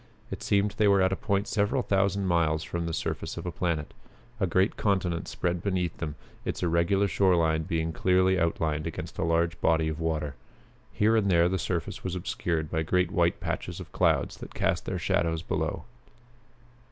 It seemed they were at a point several thousand miles from the surface of a planet. A great continent spread beneath them, its irregular shore line being clearly outlined against a large body of water. Here and there the surface was obscured by great white patches of clouds that cast their shadows below.